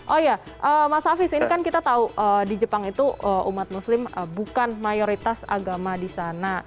oh iya mas hafiz ini kan kita tahu di jepang itu umat muslim bukan mayoritas agama di sana